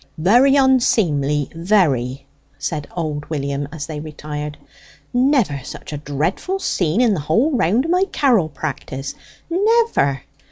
"Very onseemly very!" said old William, as they retired. "Never such a dreadful scene in the whole round o' my carrel practice never!